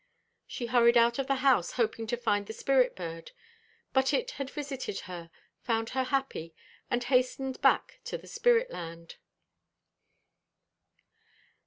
She hurried out of the house hoping to find the spirit bird; but it had visited her, found her happy, and hastened back to the spirit land.